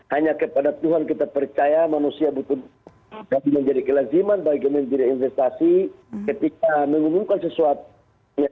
hanya kepada tuhan kita percaya manusia butuh menjadi kelaziman bagi kementerian investasi ketika mengumumkan sesuatu